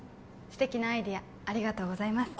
素敵なアイデアありがとうございます